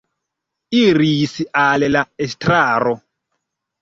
Iris al la estraro.